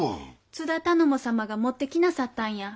津田頼母様が持ってきなさったんや。